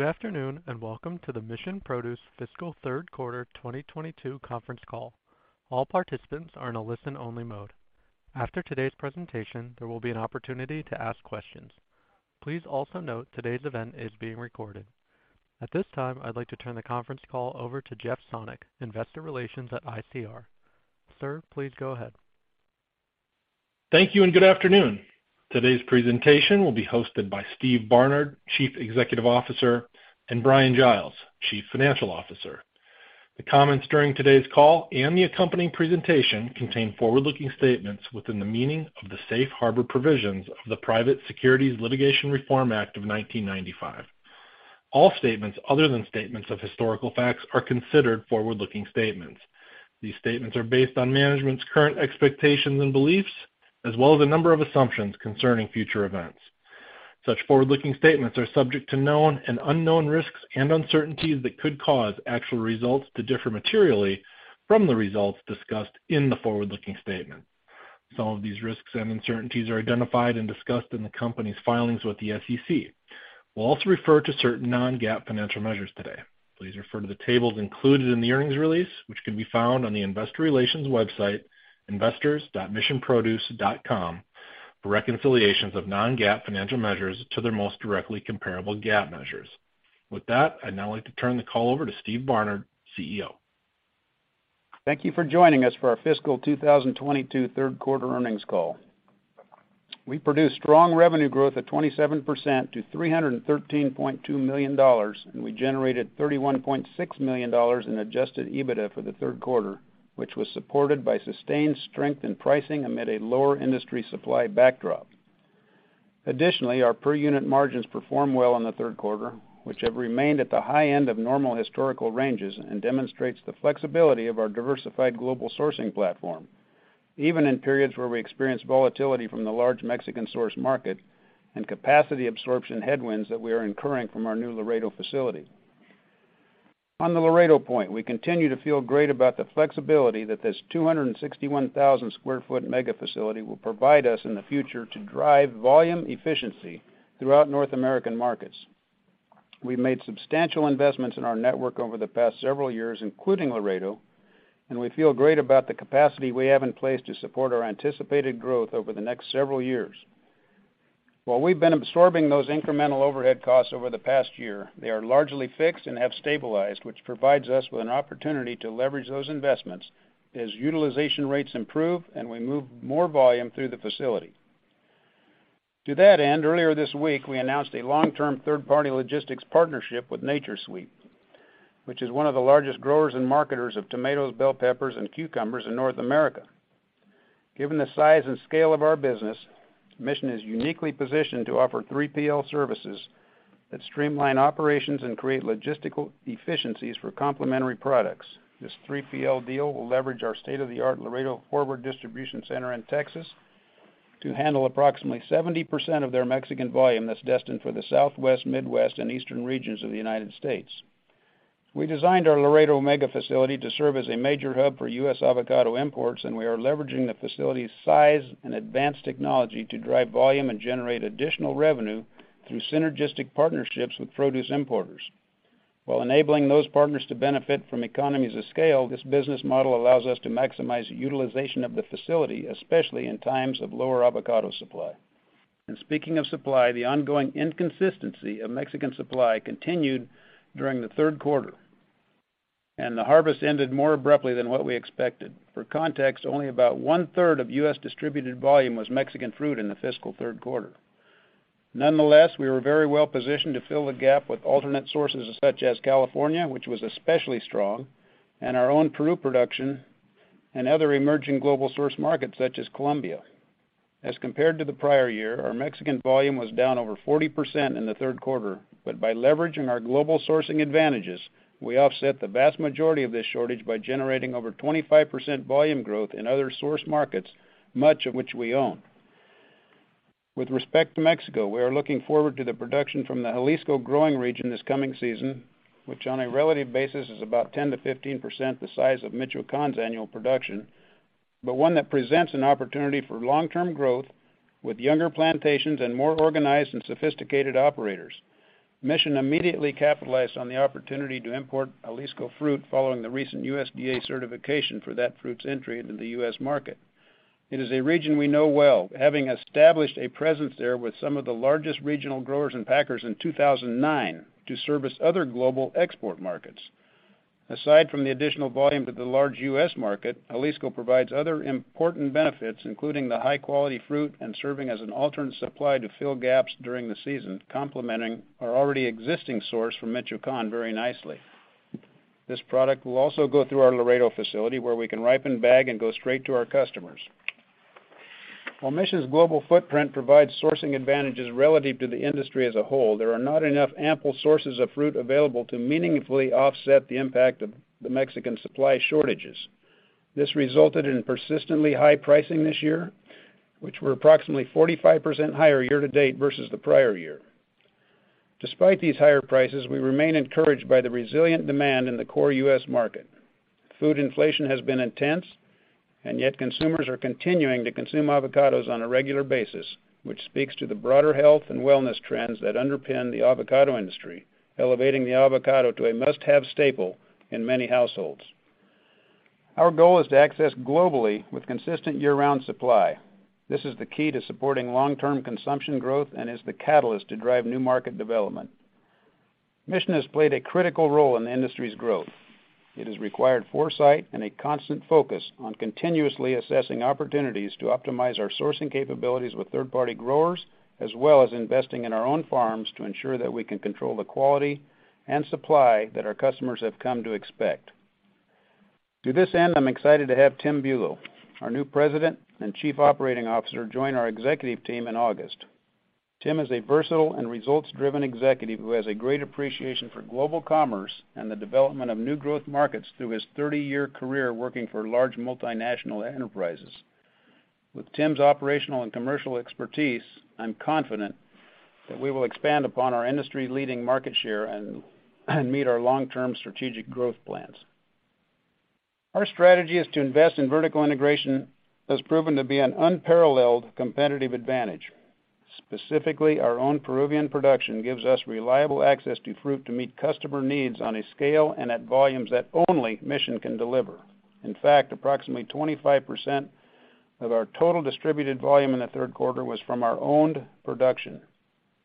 Good afternoon and welcome to the Mission Produce Fiscal Third Quarter 2022 conference call. All participants are in a listen-only mode. After today's presentation, there will be an opportunity to ask questions. Please also note today's event is being recorded. At this time, I'd like to turn the conference call over to Jeff Sonnek, Investor Relations at ICR. Sir, please go ahead. Thank you and good afternoon. Today's presentation will be hosted by Steve Barnard, Chief Executive Officer, and Bryan Giles, Chief Financial Officer. The comments during today's call and the accompanying presentation contain forward-looking statements within the meaning of the Safe Harbor provisions of the Private Securities Litigation Reform Act of 1995. All statements other than statements of historical facts are considered forward-looking statements. These statements are based on management's current expectations and beliefs, as well as a number of assumptions concerning future events. Such forward-looking statements are subject to known and unknown risks and uncertainties that could cause actual results to differ materially from the results discussed in the forward-looking statement. Some of these risks and uncertainties are identified and discussed in the company's filings with the SEC. We'll also refer to certain non-GAAP financial measures today. Please refer to the tables included in the earnings release, which can be found on the investor relations website, investors.missionproduce.com for reconciliations of non-GAAP financial measures to their most directly comparable GAAP measures. With that, I'd now like to turn the call over to Steve Barnard, CEO. Thank you for joining us for our fiscal 2022 third quarter earnings call. We produced strong revenue growth at 27% to $313.2 million, and we generated $31.6 million in Adjusted EBITDA for the third quarter, which was supported by sustained strength in pricing amid a lower industry supply backdrop. Additionally, our per unit margins performed well in the third quarter, which have remained at the high end of normal historical ranges and demonstrates the flexibility of our diversified global sourcing platform, even in periods where we experience volatility from the large Mexican source market and capacity absorption headwinds that we are incurring from our new Laredo facility. On the Laredo point, we continue to feel great about the flexibility that this 261,000 sq ft mega facility will provide us in the future to drive volume efficiency throughout North American markets. We've made substantial investments in our network over the past several years including Laredo, and we feel great about the capacity we have in place to support our anticipated growth over the next several years. While we've been absorbing those incremental overhead costs over the past year, they are largely fixed and have stabilized, which provides us with an opportunity to leverage those investments as utilization rates improve and we move more volume through the facility. To that end, earlier this week, we announced a long-term third-party logistics partnership with NatureSweet, which is one of the largest growers and marketers of tomatoes, bell peppers, and cucumbers in North America. Given the size and scale of our business, Mission is uniquely positioned to offer 3PL services that streamline operations and create logistical efficiencies for complementary products. This 3PL deal will leverage our state-of-the-art Laredo forward distribution center in Texas to handle approximately 70% of their Mexican volume that's destined for the Southwest, Midwest, and Eastern regions of the United States. We designed our Laredo mega facility to serve as a major hub for U.S. avocado imports, and we are leveraging the facility's size and advanced technology to drive volume and generate additional revenue through synergistic partnerships with produce importers. While enabling those partners to benefit from economies of scale, this business model allows us to maximize utilization of the facility, especially in times of lower avocado supply. Speaking of supply, the ongoing inconsistency of Mexican supply continued during the third quarter, and the harvest ended more abruptly than what we expected. For context, only about one third of U.S. distributed volume was Mexican fruit in the fiscal third quarter. Nonetheless, we were very well positioned to fill the gap with alternate sources such as California, which was especially strong, and our own Peru production and other emerging global source markets such as Colombia. As compared to the prior-year, our Mexican volume was down over 40% in the third quarter. By leveraging our global sourcing advantages, we offset the vast majority of this shortage by generating over 25% volume growth in other source markets, much of which we own. With respect to Mexico, we are looking forward to the production from the Jalisco growing region this coming season, which on a relative basis is about 10%-15% the size of Michoacán's annual production. One that presents an opportunity for long-term growth with younger plantations and more organized and sophisticated operators. Mission immediately capitalized on the opportunity to import Jalisco fruit following the recent USDA certification for that fruit's entry into the U.S. market. It is a region we know well, having established a presence there with some of the largest regional growers and packers in 2009 to service other global export markets. Aside from the additional volume to the large U.S. market, Jalisco provides other important benefits, including the high-quality fruit and serving as an alternate supply to fill gaps during the season, complementing our already existing source from Michoacán very nicely. This product will also go through our Laredo facility, where we can ripen, bag, and go straight to our customers. While Mission's global footprint provides sourcing advantages relative to the industry as a whole, there are not enough ample sources of fruit available to meaningfully offset the impact of the Mexican supply shortages. This resulted in persistently high pricing this year, which were approximately 45% higher year-to-date versus the prior-year. Despite these higher prices, we remain encouraged by the resilient demand in the core U.S. market. Food inflation has been intense. Yet consumers are continuing to consume avocados on a regular basis, which speaks to the broader health and wellness trends that underpin the avocado industry, elevating the avocado to a must-have staple in many households. Our goal is to access globally with consistent year-round supply. This is the key to supporting long-term consumption growth and is the catalyst to drive new market development. Mission has played a critical role in the industry's growth. It has required foresight and a constant focus on continuously assessing opportunities to optimize our sourcing capabilities with third-party growers, as well as investing in our own farms to ensure that we can control the quality and supply that our customers have come to expect. To this end, I'm excited to have Tim Bulow, our new President and Chief Operating Officer, join our executive team in August. Tim is a versatile and results-driven executive who has a great appreciation for global commerce and the development of new growth markets through his 30-year career working for large multinational enterprises. With Tim's operational and commercial expertise, I'm confident that we will expand upon our industry-leading market share and meet our long-term strategic growth plans. Our strategy is to invest in vertical integration that has proven to be an unparalleled competitive advantage. Specifically, our own Peruvian production gives us reliable access to fruit to meet customer needs on a scale and at volumes that only Mission can deliver. In fact, approximately 25% of our total distributed volume in the third quarter was from our owned production.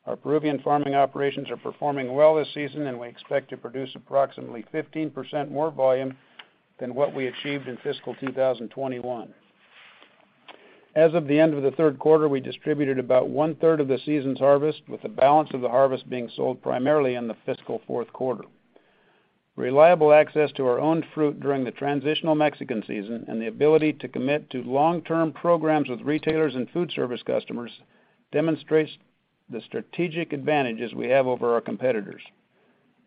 Our Peruvian farming operations are performing well this season, and we expect to produce approximately 15% more volume than what we achieved in fiscal 2021. As of the end of the third quarter, we distributed about one third of the season's harvest, with the balance of the harvest being sold primarily in the fiscal fourth quarter. Reliable access to our own fruit during the transitional Mexican season and the ability to commit to long-term programs with retailers and food service customers demonstrates the strategic advantages we have over our competitors.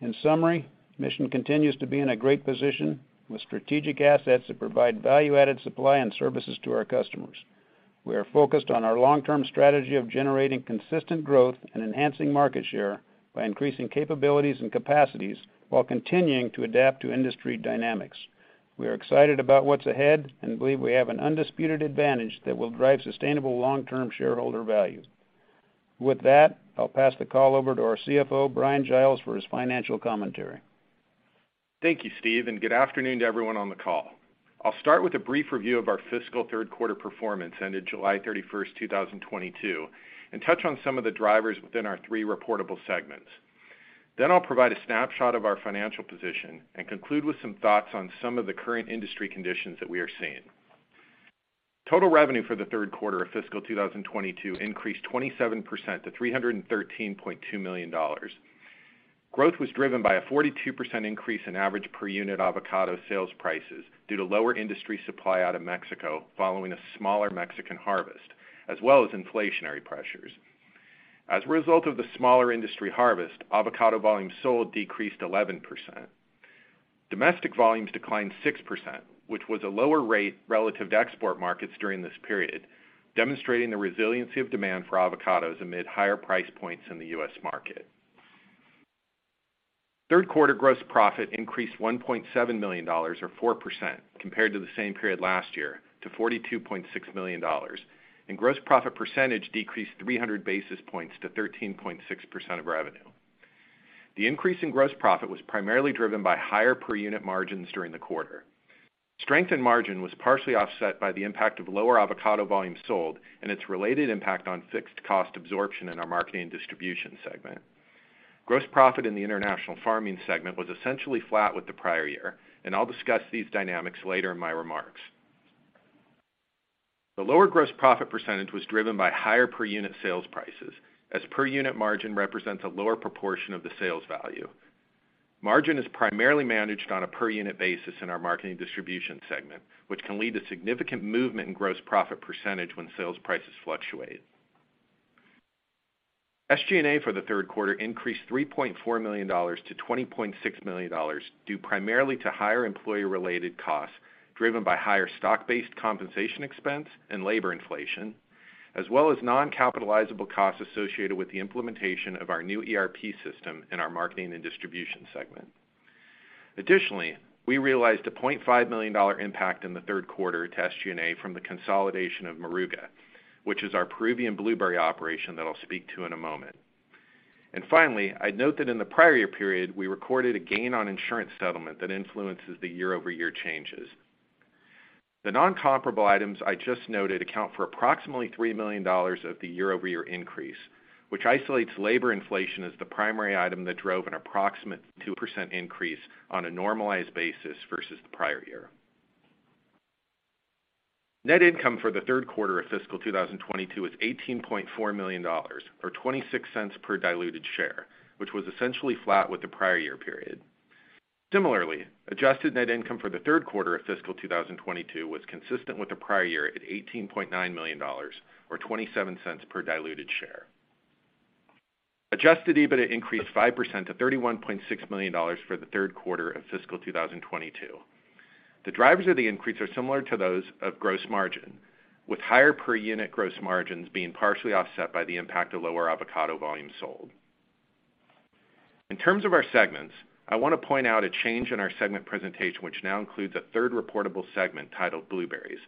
In summary, Mission continues to be in a great position with strategic assets that provide value-added supply and services to our customers. We are focused on our long-term strategy of generating consistent growth and enhancing market share by increasing capabilities and capacities while continuing to adapt to industry dynamics. We are excited about what's ahead and believe we have an undisputed advantage that will drive sustainable long-term shareholder value. With that, I'll pass the call over to our CFO, Bryan Giles, for his financial commentary. Thank you Steve, and good afternoon to everyone on the call. I'll start with a brief review of our fiscal third quarter performance ended July 31, 2022 and touch on some of the drivers within our three reportable segments. I'll provide a snapshot of our financial position and conclude with some thoughts on some of the current industry conditions that we are seeing. Total revenue for the third quarter of fiscal 2022 increased 27% to $313.2 million. Growth was driven by a 42% increase in average per unit avocado sales prices due to lower industry supply out of Mexico following a smaller Mexican harvest, as well as inflationary pressures. As a result of the smaller industry harvest, avocado volumes sold decreased 11%. Domestic volumes declined 6%, which was a lower rate relative to export markets during this period, demonstrating the resiliency of demand for avocados amid higher price points in the U.S. market. Third quarter gross profit increased $1.7 million or 4% compared to the same period last year to $42.6 million, and gross profit percentage decreased 300 basis points to 13.6% of revenue. The increase in gross profit was primarily driven by higher per unit margins during the quarter. Strength in margin was partially offset by the impact of lower avocado volumes sold and its related impact on fixed cost absorption in our Marketing and Distribution segment. Gross profit in the International Farming segment was essentially flat with the prior-year, and I'll discuss these dynamics later in my remarks. The lower gross profit percentage was driven by higher per unit sales prices as per unit margin represents a lower proportion of the sales value. Margin is primarily managed on a per unit basis in our Marketing and Distribution segment, which can lead to significant movement in gross profit percentage when sales prices fluctuate. SG&A for the third quarter increased $3.4 million to $20.6 million due primarily to higher employee-related costs driven by higher stock-based compensation expense and labor inflation, as well as non-capitalizable costs associated with the implementation of our new ERP system in our Marketing and Distribution segment. Additionally, we realized a $0.5 million impact in the third quarter to SG&A from the consolidation of Moruga, which is our Peruvian blueberry operation that I'll speak to in a moment. Finally, I'd note that in the prior-year period, we recorded a gain on insurance settlement that influences the year-over-year changes. The non-comparable items I just noted account for approximately $3 million of the year-over-year increase, which isolates labor inflation as the primary item that drove an approximate 2% increase on a normalized basis versus the prior-year. Net income for the third quarter of fiscal 2022 was $18.4 million or $0.26 per diluted share, which was essentially flat with the prior-year period. Similarly, adjusted net income for the third quarter of fiscal 2022 was consistent with the prior-year at $18.9 million or $0.27 per diluted share. Adjusted EBITDA increased 5% to $31.6 million for the third quarter of fiscal 2022. The drivers of the increase are similar to those of gross margin, with higher per unit gross margins being partially offset by the impact of lower avocado volumes sold. In terms of our segments, I wanna point out a change in our segment presentation, which now includes a third reportable segment titled Blueberries.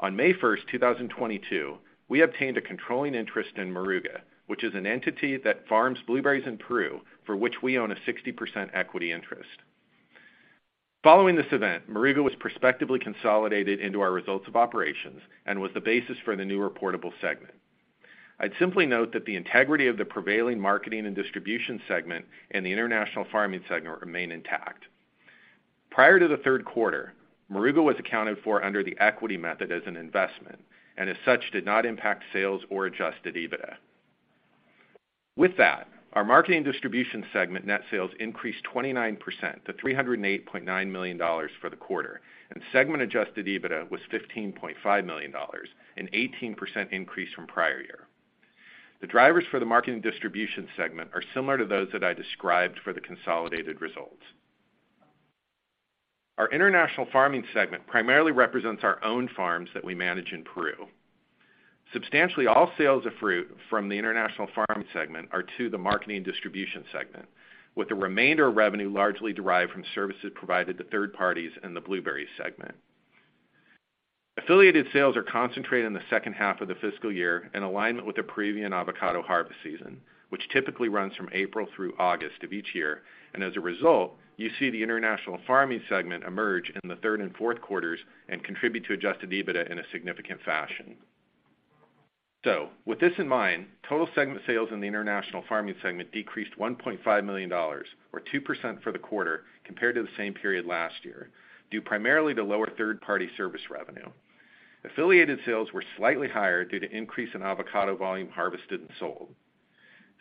On May 1, 2022, we obtained a controlling interest in Moruga, which is an entity that farms blueberries in Peru, for which we own a 60% equity interest. Following this event, Moruga was prospectively consolidated into our results of operations and was the basis for the new reportable segment. I'd simply note that the integrity of the prevailing Marketing and Distribution segment and the International Farming segment remain intact. Prior to the third quarter, Moruga was accounted for under the equity method as an investment, and as such, did not impact sales or Adjusted EBITDA. With that, our Marketing and Distribution segment net sales increased 29% to $308.9 million for the quarter, and segment Adjusted EBITDA was $15.5 million, an 18% increase from prior-year. The drivers for the Marketing and Distribution segment are similar to those that I described for the consolidated results. Our International Farming segment primarily represents our own farms that we manage in Peru. Substantially all sales of fruit from the International Farming segment are to the Marketing and Distribution segment, with the remainder of revenue largely derived from services provided to third parties in the Blueberries segment. Affiliated sales are concentrated in the second half of the fiscal year in alignment with the Peruvian avocado harvest season, which typically runs from April through August of each year. As a result, you see the International Farming segment emerge in the third and fourth quarters and contribute to Adjusted EBITDA in a significant fashion. With this in mind, total segment sales in the International Farming segment decreased $1.5 million or 2% for the quarter compared to the same period last year, due primarily to lower third-party service revenue. Affiliated sales were slightly higher due to increase in avocado volume harvested and sold.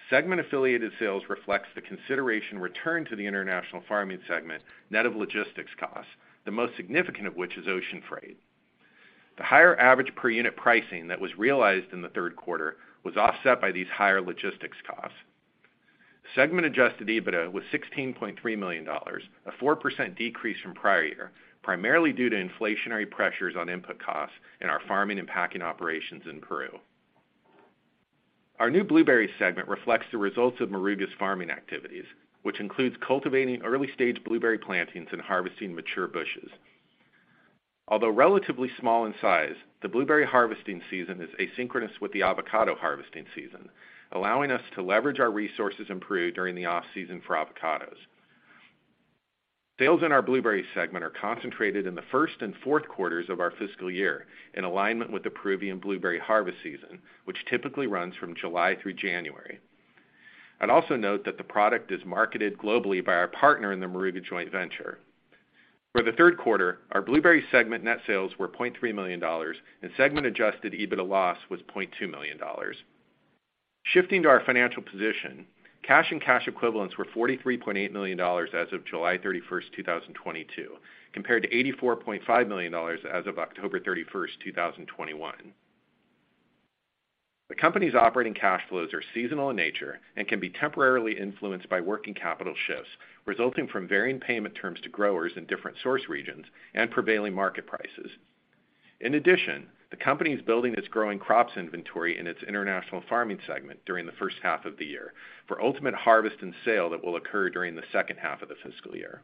Segment affiliated sales reflects the consideration returned to the International Farming segment net of logistics costs, the most significant of which is ocean freight. The higher average per unit pricing that was realized in the third quarter was offset by these higher logistics costs. Segment Adjusted EBITDA was $16.3 million, a 4% decrease from prior-year, primarily due to inflationary pressures on input costs in our farming and packing operations in Peru. Our new Blueberry segment reflects the results of Moruga's farming activities, which includes cultivating early-stage blueberry plantings and harvesting mature bushes. Although relatively small in size, the blueberry harvesting season is asynchronous with the avocado harvesting season, allowing us to leverage our resources in Peru during the off-season for avocados. Sales in our Blueberry segment are concentrated in the first and fourth quarters of our fiscal year in alignment with the Peruvian blueberry harvest season, which typically runs from July through January. I'd also note that the product is marketed globally by our partner in the Moruga joint venture. For the third quarter, our Blueberry segment net sales were $0.3 million, and segment djusted EBITDA loss was $0.2 million. Shifting to our financial position, cash and cash equivalents were $43.8 million as of July 31, 2022, compared to $84.5 million as of October 31, 2021. The company's operating cash flows are seasonal in nature and can be temporarily influenced by working capital shifts resulting from varying payment terms to growers in different source regions and prevailing market prices. In addition, the company is building its growing crops inventory in its International Farming segment during the first half of the year for ultimate harvest and sale that will occur during the second half of the fiscal year.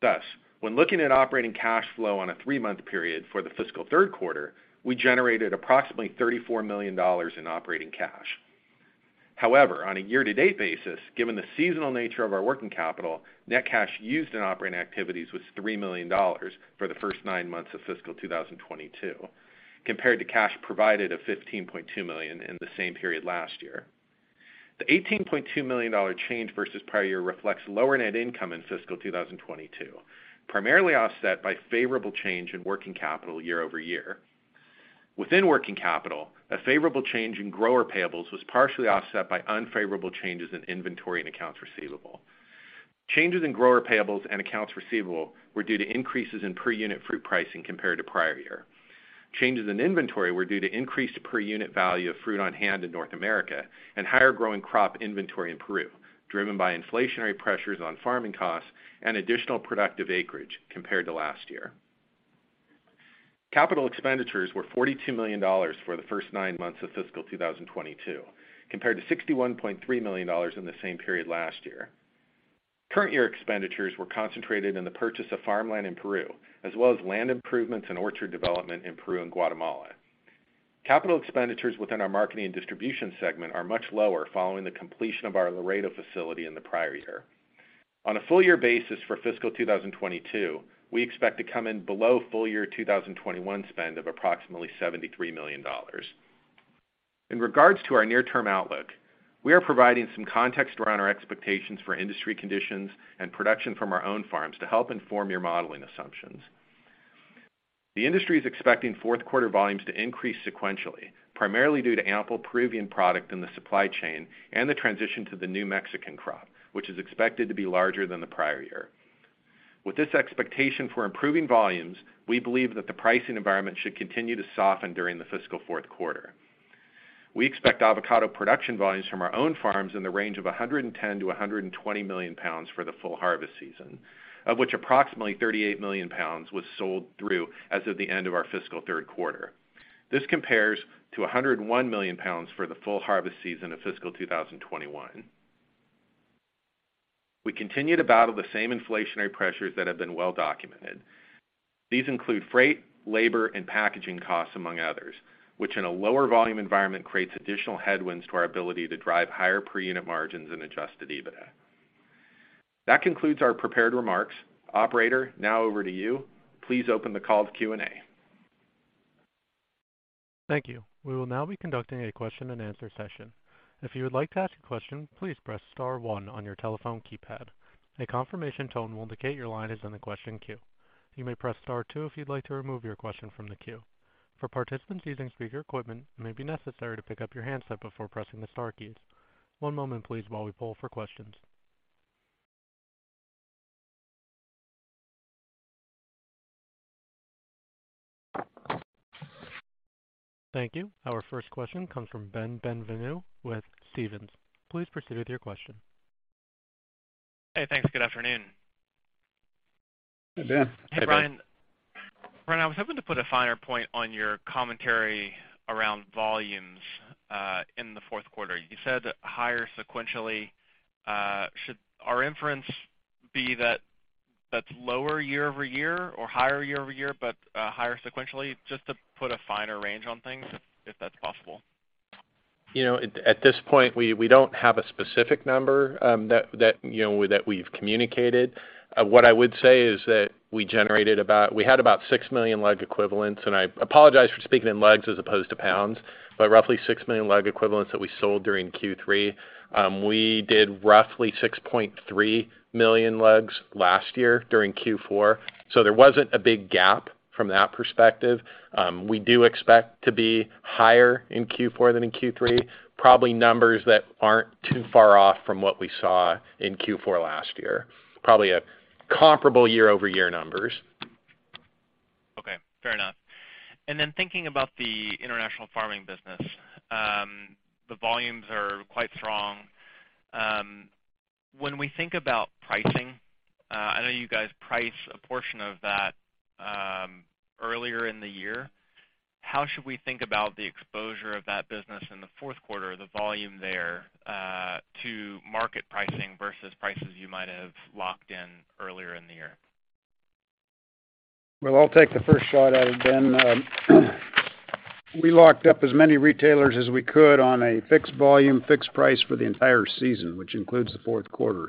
Thus, when looking at operating cash flow on a three-month period for the fiscal third quarter, we generated approximately $34 million in operating cash. However, on a year-to-date basis, given the seasonal nature of our working capital, net cash used in operating activities was $3 million for the first nine months of fiscal 2022, compared to cash provided of $15.2 million in the same period last year. The $18.2 million change versus prior-year reflects lower net income in fiscal 2022, primarily offset by favorable change in working capital year-over-year. Within working capital, a favorable change in grower payables was partially offset by unfavorable changes in inventory and accounts receivable. Changes in grower payables and accounts receivable were due to increases in per unit fruit pricing compared to prior-year. Changes in inventory were due to increased per unit value of fruit on hand in North America and higher growing crop inventory in Peru, driven by inflationary pressures on farming costs and additional productive acreage compared to last year. Capital expenditures were $42 million for the first nine months of fiscal 2022, compared to $61.3 million in the same period last year. Current year expenditures were concentrated in the purchase of farmland in Peru, as well as land improvements and orchard development in Peru and Guatemala. Capital expenditures within our Marketing and Distribution segment are much lower following the completion of our Laredo facility in the prior-year. On a full year basis for fiscal 2022, we expect to come in below full year 2021 spend of approximately $73 million. In regards to our near-term outlook, we are providing some context around our expectations for industry conditions and production from our own farms to help inform your modeling assumptions. The industry is expecting fourth quarter volumes to increase sequentially, primarily due to ample Peruvian product in the supply chain and the transition to the new Mexican crop, which is expected to be larger than the prior-year. With this expectation for improving volumes, we believe that the pricing environment should continue to soften during the fiscal fourth quarter. We expect avocado production volumes from our own farms in the range of 110 million-120 million pounds for the full harvest season, of which approximately 38 million pounds was sold through as of the end of our fiscal third quarter. This compares to 101 million pounds for the full harvest season of fiscal 2021. We continue to battle the same inflationary pressures that have been well documented. These include freight, labor, and packaging costs, among others, which in a lower volume environment creates additional headwinds to our ability to drive higher per unit margins and Adjusted EBITDA. That concludes our prepared remarks. Operator, now over to you. Please open the call to Q&A. Thank you. We will now be conducting a question-and-answer session. If you would like to ask a question, please press star one on your telephone keypad. A confirmation tone will indicate your line is in the question queue. You may press star two if you'd like to remove your question from the queue. For participants using speaker equipment, it may be necessary to pick up your handset before pressing the star keys. One moment please while we poll for questions. Thank you. Our first question comes from Ben Bienvenu with Stephens. Please proceed with your question. Hey thanks. Good afternoon. Hey Ben. Hey Bryan. Bryan, I was hoping to put a finer point on your commentary around volumes in the fourth quarter. You said higher sequentially. Should our inference be that that's lower year-over-year or higher year-over-year, but higher sequentially? Just to put a finer range on things, if that's possible? You know, at this point we don't have a specific number, that you know, that we've communicated. What I would say is that we had about 6 million lug equivalents, and I apologize for speaking in lugs as opposed to pounds, but roughly 6 million lug equivalents that we sold during Q3. We did roughly 6.3 million lugs last year during Q4, so there wasn't a big gap from that perspective. We do expect to be higher in Q4 than in Q3, probably numbers that aren't too far off from what we saw in Q4 last year. Probably a comparable year-over-year numbers. Okay, fair enough. Thinking about the International Farming business, the volumes are quite strong. When we think about pricing, I know you guys price a portion of that, earlier in the year. How should we think about the exposure of that business in the fourth quarter, the volume there, to market pricing versus prices you might have locked in earlier in the year? Well, I'll take the first shot at it, Ben. We locked up as many retailers as we could on a fixed volume, fixed price for the entire season, which includes the fourth quarter.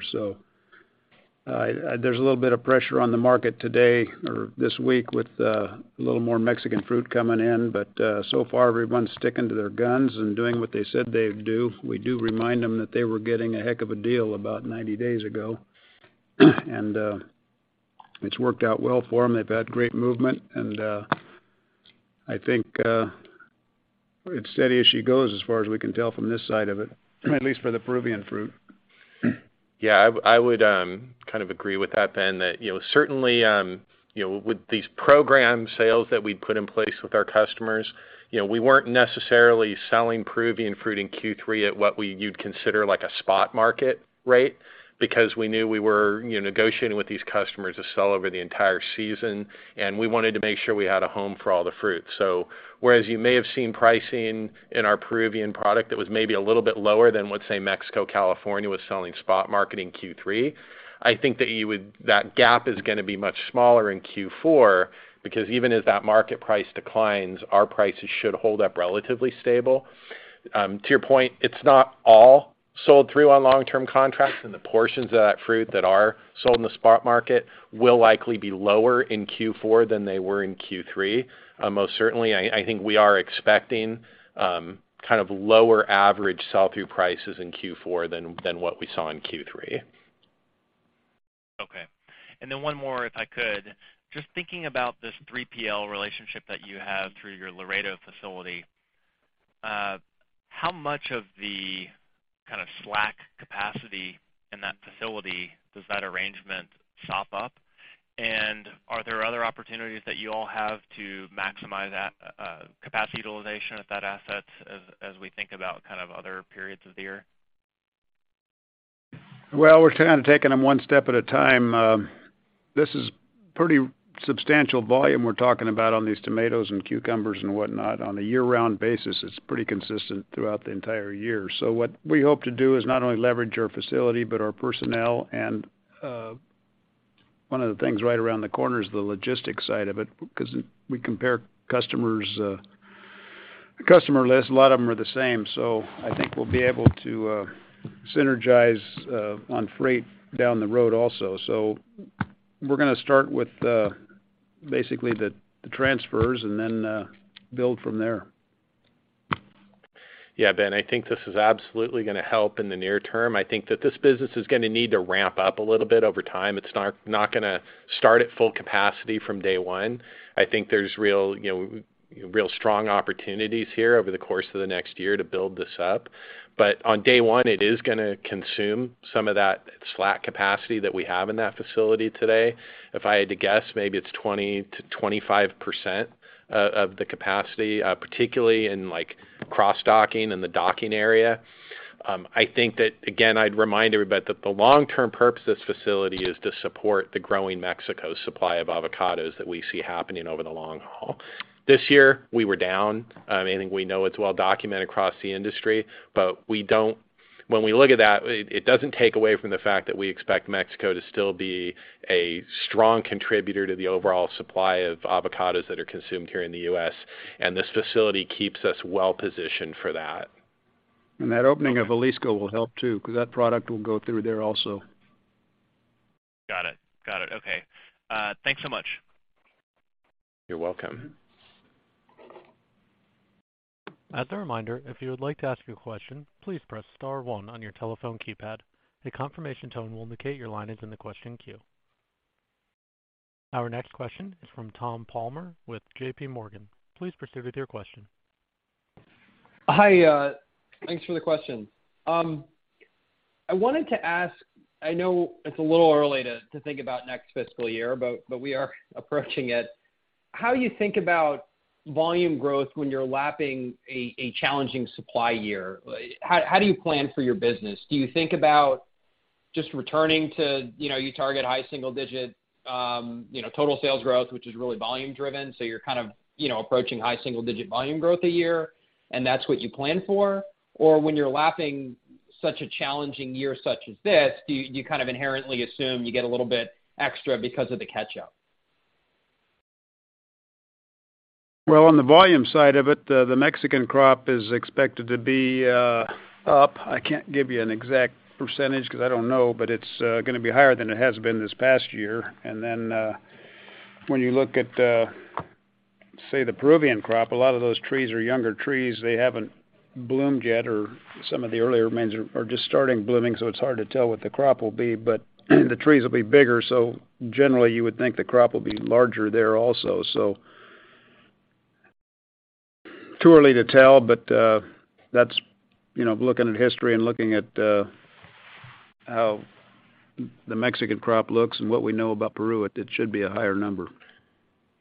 There's a little bit of pressure on the market today or this week with a little more Mexican fruit coming in. So far, everyone's sticking to their guns and doing what they said they'd do. We do remind them that they were getting a heck of a deal about 90 days ago, and it's worked out well for them. They've had great movement, and I think it's steady as she goes, as far as we can tell from this side of it, at least for the Peruvian fruit. Yeah, I would kind of agree with that, Ben, that you know, certainly you know, with these program sales that we put in place with our customers, you know, we weren't necessarily selling Peruvian fruit in Q3 at what you'd consider like a spot market rate, because we knew we were you know, negotiating with these customers to sell over the entire season, and we wanted to make sure we had a home for all the fruit. Whereas you may have seen pricing in our Peruvian product that was maybe a little bit lower than, let's say, Mexico, California was selling spot market in Q3. I think that that gap is going to be much smaller in Q4, because even as that market price declines, our prices should hold up relatively stable. To your point, it's not all sold through on long-term contracts, and the portions of that fruit that are sold in the spot market will likely be lower in Q4 than they were in Q3. Most certainly, I think we are expecting kind of lower average sell-through prices in Q4 than what we saw in Q3. Okay. And then one more, if I could. Just thinking about this 3PL relationship that you have through your Laredo facility, how much of the kind of slack capacity in that facility does that arrangement sop up? Are there other opportunities that you all have to maximize that, capacity utilization at that asset as we think about kind of other periods of the year? Well, we're kind of taking them one step at a time. This is pretty substantial volume we're talking about on these tomatoes and cucumbers and whatnot. On a year-round basis, it's pretty consistent throughout the entire year. What we hope to do is not only leverage our facility but our personnel. One of the things right around the corner is the logistics side of it, because we compare customers, customer list, a lot of them are the same. I think we'll be able to synergize on freight down the road also. We're going to start with basically the transfers and then build from there. Yeah, Ben, I think this is absolutely going to help in the near-term. I think that this business is going to need to ramp up a little bit over time. It's not going to start at full capacity from day one. I think there's real, you know, real strong opportunities here over the course of the next year to build this up. But on day one, it is going to consume some of that slack capacity that we have in that facility today. If I had to guess, maybe it's 20%-25% of the capacity, particularly in like cross docking and the docking area. I think that again, I'd remind everybody that the long-term purpose of this facility is to support the growing Mexico supply of avocados that we see happening over the long haul. This year we were down. I mean, we know it's well documented across the industry. When we look at that, it doesn't take away from the fact that we expect Mexico to still be a strong contributor to the overall supply of avocados that are consumed here in the U.S., and this facility keeps us well-positioned for that. That opening of Jalisco will help too, because that product will go through there also. Got it. Okay. Thanks so much. You're welcome. As a reminder, if you would like to ask a question, please press star one on your telephone keypad. A confirmation tone will indicate your line is in the question queue. Our next question is from Tom Palmer with JPMorgan. Please proceed with your question. Hi, thanks for the question. I wanted to ask, I know it's a little early to think about next fiscal year, but we are approaching it. How do you think about volume growth when you're lapping a challenging supply year? How do you plan for your business? Do you think about just returning to, you know, you target high single digit, you know, total sales growth, which is really volume driven, so you're kind of, you know, approaching high single digit volume growth a year, and that's what you plan for? Or when you're lapping such a challenging year such as this, do you kind of inherently assume you get a little bit extra because of the catch-up? Well, on the volume side of it, the Mexican crop is expected to be up. I can't give you an exact percentage because I don't know, but it's gonna be higher than it has been this past year. Then, when you look at, say the Peruvian crop, a lot of those trees are younger trees. They haven't bloomed yet, or some of the earlier ones are just starting blooming, so it's hard to tell what the crop will be. The trees will be bigger, so generally you would think the crop will be larger there also. Too early to tell, but that's, you know, looking at history and looking at how the Mexican crop looks and what we know about Peru, it should be a higher number.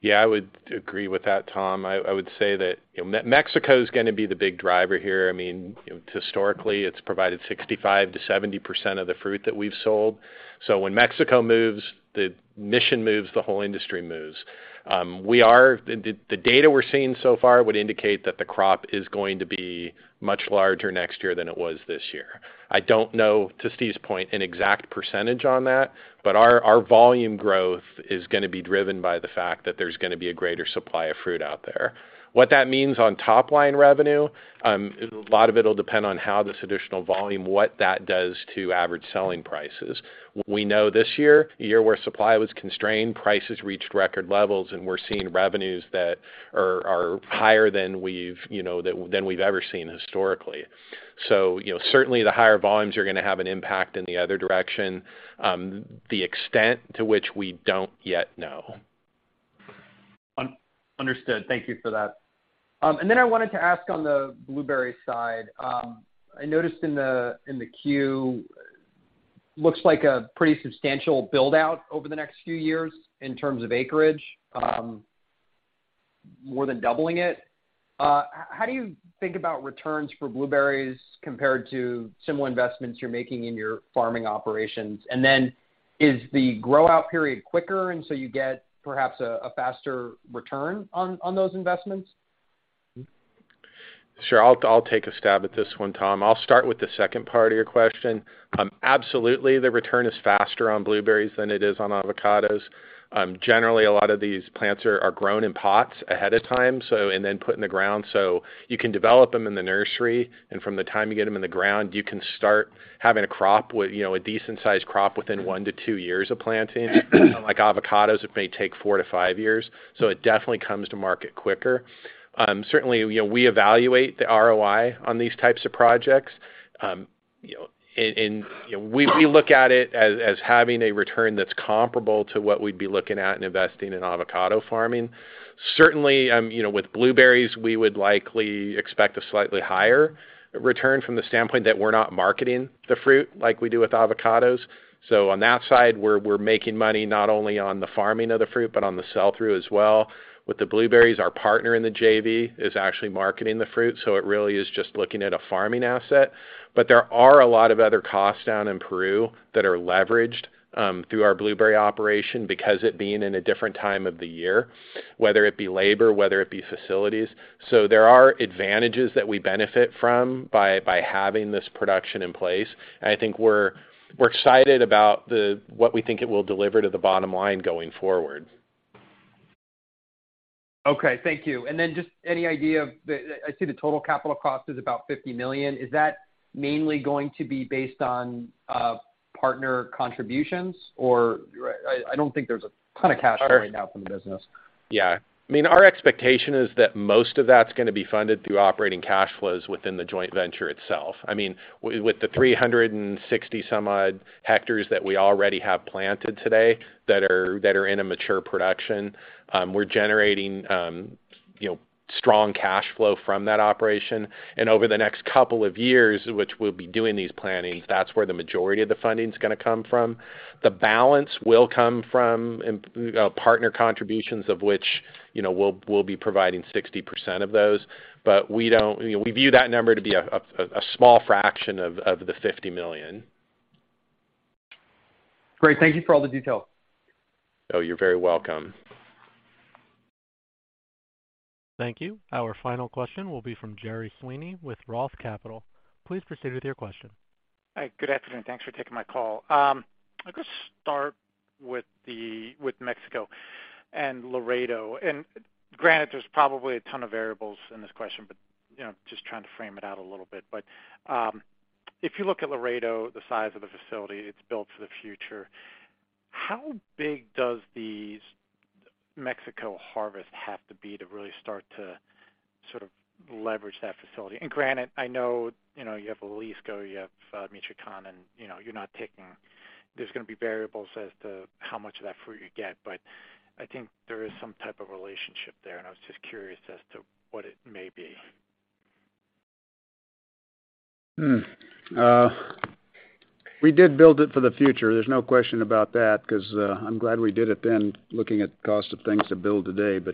Yeah, I would agree with that, Tom. I would say that, you know, Mexico's gonna be the big driver here. I mean, you know, historically, it's provided 65%-70% of the fruit that we've sold. So when Mexico moves, the Mission moves, the whole industry moves. The data we're seeing so far would indicate that the crop is going to be much larger next year than it was this year. I don't know, to Steve's point, an exact percentage on that, but our volume growth is gonna be driven by the fact that there's gonna be a greater supply of fruit out there. What that means on top line revenue, a lot of it'll depend on how this additional volume, what that does to average selling prices. We know this year, a year where supply was constrained, prices reached record levels, and we're seeing revenues that are higher than we've, you know, ever seen historically. You know, certainly the higher volumes are gonna have an impact in the other direction. The extent to which we don't yet know. Understood. Thank you for that. I wanted to ask on the Blueberry side. I noticed in the queue, looks like a pretty substantial build out over the next few years in terms of acreage, more than doubling it. How do you think about returns for blueberries compared to similar investments you're making in your farming operations? Is the grow out period quicker, and so you get perhaps a faster return on those investments? Sure. I'll take a stab at this one, Tom. I'll start with the second part of your question. Absolutely, the return is faster on blueberries than it is on avocados. Generally, a lot of these plants are grown in pots ahead of time, and then put in the ground. You can develop them in the nursery, and from the time you get them in the ground, you can start having a crop with, you know, a decent sized crop within 1-2 years of planting. Unlike avocados, it may take 4-5 years, so it definitely comes to market quicker. Certainly, you know, we evaluate the ROI on these types of projects. You know, we look at it as having a return that's comparable to what we'd be looking at in investing in avocado farming. Certainly, you know, with blueberries, we would likely expect a slightly higher return from the standpoint that we're not marketing the fruit like we do with avocados. On that side, we're making money not only on the farming of the fruit, but on the sell-through as well. With the blueberries, our partner in the JV is actually marketing the fruit, so it really is just looking at a farming asset. There are a lot of other costs down in Peru that are leveraged through our blueberry operation because it being in a different time of the year, whether it be labor, whether it be facilities. There are advantages that we benefit from by having this production in place. I think we're excited about what we think it will deliver to the bottom line going forward. Okay. Thank you. Just any idea? I see the total capital cost is about $50 million. Is that mainly going to be based on partner contributions or I don't think there's a ton of cash flow right now from the business. Yeah. I mean, our expectation is that most of that's gonna be funded through operating cash flows within the joint venture itself. I mean, with the 360-some-odd hectares that we already have planted today that are in a mature production, we're generating, you know, strong cash flow from that operation. Over the next couple of years, which we'll be doing these plantings, that's where the majority of the funding's gonna come from. The balance will come from partner contributions of which, you know, we'll be providing 60% of those. You know, we view that number to be a small fraction of the $50 million. Great. Thank you for all the details. You're very welcome. Thank you. Our final question will be from Gerry Sweeney with Roth Capital. Please proceed with your question. Hi, good afternoon. Thanks for taking my call. I'll just start with Mexico and Laredo, and granted, there's probably a ton of variables in this question, but you know, just trying to frame it out a little bit. If you look at Laredo, the size of the facility, it's built for the future. How big does the Mexico harvest have to be to really start to sort of leverage that facility? I know you have Jalisco, you have Michoacán, and you know, you're not taking. There's gonna be variables as to how much of that fruit you get, but I think there is some type of relationship there, and I was just curious as to what it may be. We did build it for the future. There's no question about that, because I'm glad we did it then looking at cost of things to build today.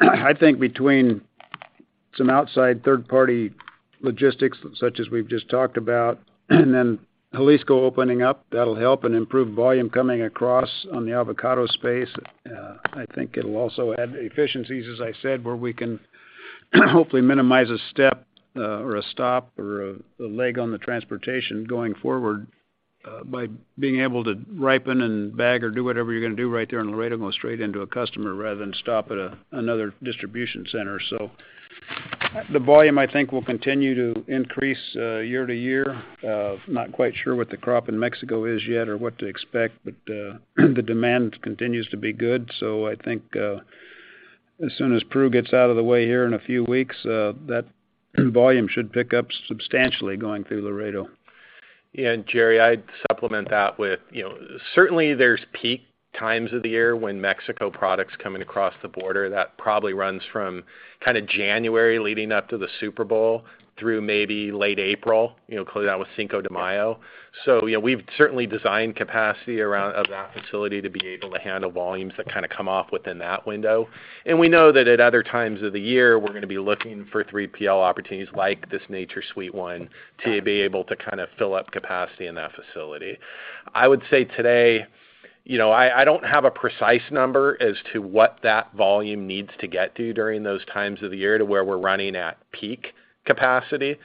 I think between some outside third party logistics, such as we've just talked about, and then Jalisco opening up, that'll help and improve volume coming across on the avocado space. I think it'll also add efficiencies, as I said, where we can hopefully minimize a step, or a stop or a leg on the transportation going forward, by being able to ripen and bag or do whatever you're gonna do right there in Laredo, go straight into a customer rather than stop at another distribution center. The volume, I think, will continue to increase, year-to-year. Not quite sure what the crop in Mexico is yet or what to expect, but the demand continues to be good. I think, as soon as Peru gets out of the way here in a few weeks, that volume should pick up substantially going through Laredo. Yeah. Gerry, I'd supplement that with, you know, certainly there's peak times of the year when Mexico products coming across the border. That probably runs from kinda January leading up to the Super Bowl through maybe late April, you know, closing out with Cinco de Mayo. You know, we've certainly designed capacity around of that facility to be able to handle volumes that kinda come off within that window. We know that at other times of the year, we're gonna be looking for 3PL opportunities like this NatureSweet one to be able to kinda fill up capacity in that facility. I would say today, you know, I don't have a precise number as to what that volume needs to get to during those times of the year to where we're running at peak capacity.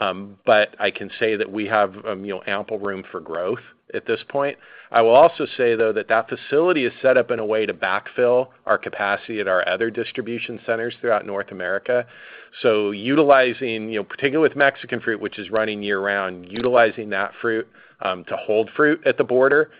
I can say that we have, you know, ample room for growth at this point. I will also say, though, that that facility is set up in a way to backfill our capacity at our other distribution centers throughout North America. Utilizing, you know, particularly with Mexican fruit, which is running year-round, utilizing that fruit, to hold fruit at the border,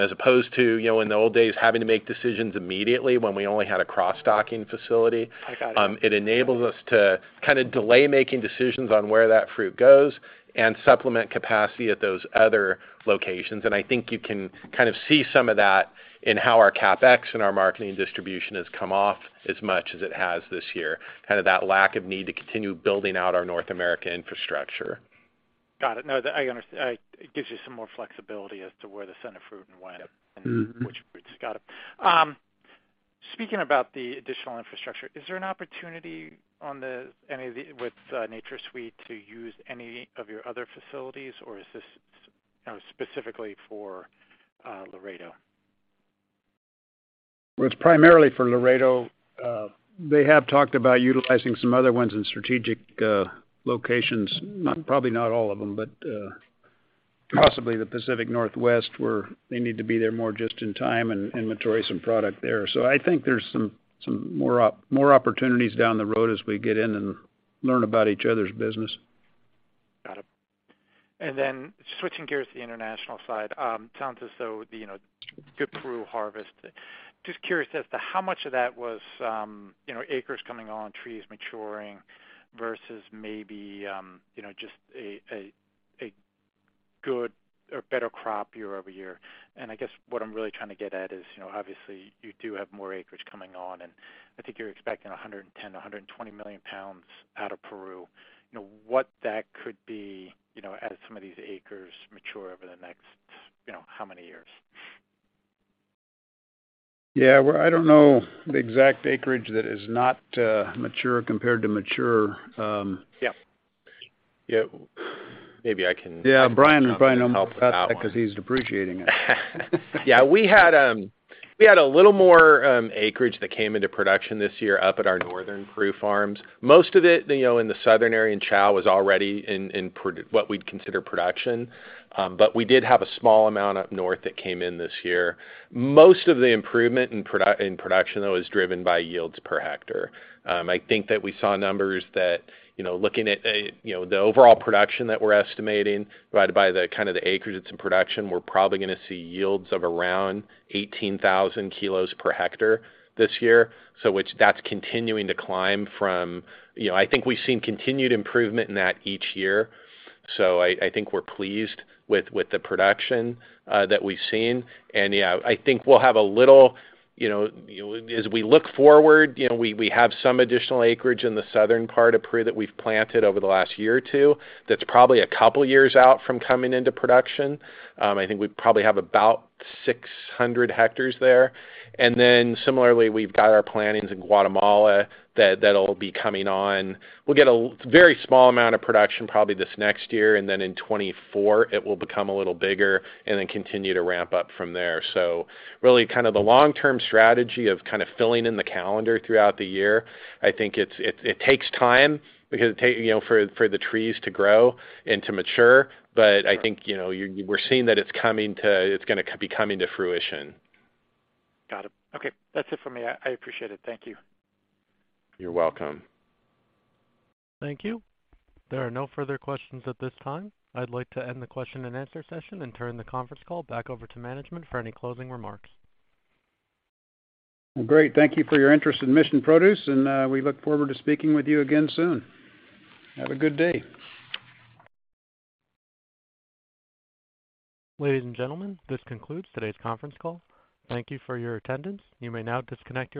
as opposed to, you know, in the old days, having to make decisions immediately when we only had a cross-docking facility. I got it. It enables us to kinda delay making decisions on where that fruit goes and supplement capacity at those other locations. I think you can kind of see some of that in how our CapEx and our Marketing and Distribution has come off as much as it has this year, kind of that lack of need to continue building out our North American infrastructure. Got it. No, it gives you some more flexibility as to where to send a fruit and when. Which routes. Got it. Speaking about the additional infrastructure, is there an opportunity with NatureSweet to use any of your other facilities, or is this, you know, specifically for Laredo? Well, it's primarily for Laredo. They have talked about utilizing some other ones in strategic locations. Probably not all of them, but possibly the Pacific Northwest, where they need to be there more just in time and inventory some product there. I think there's some more opportunities down the road as we get in and learn about each other's business. Got it. Switching gears to the international side, sounds as though the, you know, good Peru harvest. Just curious as to how much of that was, you know, acres coming on, trees maturing, versus maybe, you know, just a good or better crop year-over-year. I guess what I'm really trying to get at is, you know, obviously, you do have more acreage coming on, and I think you're expecting 110 million-120 million pounds out of Peru. You know, what that could be, you know, as some of these acres mature over the next, you know, how many years? Yeah. Well, I don't know the exact acreage that is not mature compared to mature. Yeah. Bryan will- Help with that one. Know about that 'cause he's appreciating it. Yeah. We had a little more acreage that came into production this year up at our northern Peru farms. Most of it, you know, in the southern area in Chao was already in what we'd consider production. But we did have a small amount up north that came in this year. Most of the improvement in production, though, is driven by yields per hectare. I think that we saw numbers that, you know, looking at, you know, the overall production that we're estimating provided by the kind of the acreage that's in production, we're probably gonna see yields of around 18,000 kilos per hectare this year. Which that's continuing to climb from, you know, I think we've seen continued improvement in that each year. I think we're pleased with the production that we've seen. Yeah, I think we'll have a little, you know, as we look forward, you know, we have some additional acreage in the southern part of Peru that we've planted over the last year or two that's probably a couple years out from coming into production. I think we probably have about 600 hectares there. Then similarly, we've got our plantings in Guatemala that'll be coming on. We'll get a very small amount of production probably this next year, and then in 2024 it will become a little bigger and then continue to ramp up from there. Really kind of the long-term strategy of kind of filling in the calendar throughout the year. I think it takes time because it takes, you know, for the trees to grow and to mature, but I think, you know, we're seeing that it's gonna be coming to fruition. Got it. Okay, that's it for me. I appreciate it. Thank you. You're welcome. Thank you. There are no further questions at this time. I'd like to end the question and answer session and turn the conference call back over to management for any closing remarks. Well, great. Thank you for your interest in Mission Produce, and we look forward to speaking with you again soon. Have a good day. Ladies and gentlemen, this concludes today's conference call. Thank you for your attendance. You may now disconnect your lines.